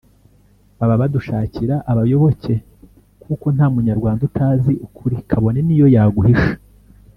baba badushakira abayoboke kuko nta munyarwanda utazi ukuri kabone niyo yaguhisha